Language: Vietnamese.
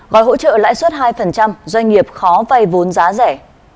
gói hỗ trợ lãi suất hai doanh nghiệp khó vay vốn giá rẻ